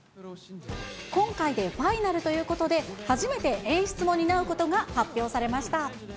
今回でファイナルということで、初めて演出も担うことが発表されました。